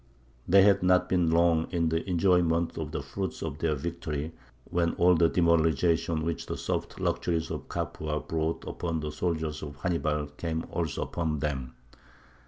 They had not been long in the enjoyment of the fruits of their victory when all the demoralization which the soft luxuries of Capua brought upon the soldiers of Hannibal came also upon them.